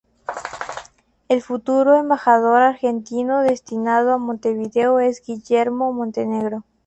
El futuro embajador argentino destinado a Montevideo es Guillermo Montenegro.